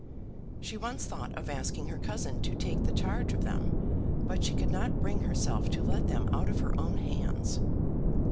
She once thought of asking her cousin to take the charge of them, but she could not bring herself to let them out of her own hands.